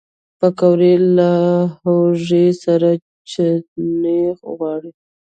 پکورې له هوږې سره چټني غواړي